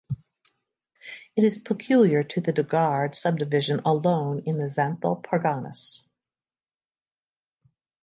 It is peculiar to the Deoghar subdivision alone in the Santhal Parganas.